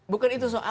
bukan itu soalnya